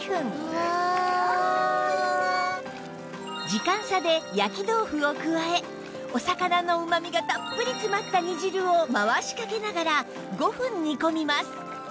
時間差で焼き豆腐を加えお魚のうまみがたっぷり詰まった煮汁を回しかけながら５分煮込みます